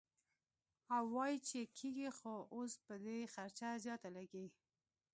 او وائي چې کيږي خو اوس به دې خرچه زياته لګي -